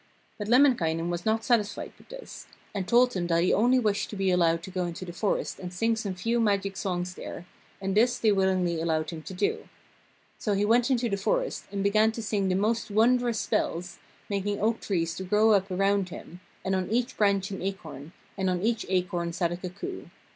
But Lemminkainen was not satisfied with this, and told them that he only wished to be allowed to go into the forest and sing some few magic songs there, and this they willingly allowed him to do. So he went into the forest and began to sing the most wondrous spells, making oak trees to grow up around him, and on each branch an acorn, and on each acorn sat a cuckoo.